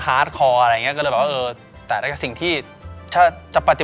ป่ะไอ้อย่าเพิ่งเกลียดผมสิพี่